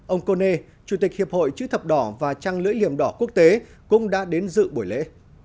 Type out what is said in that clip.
ông cô nê chủ tịch hiệp hội chữ thập đỏ và trang lưỡi liềm đỏ quốc tế cũng đã đến dự buổi lễ